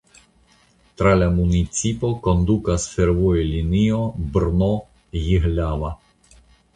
Tra la municipo kondukas fervojlinio Brno–Jihlava.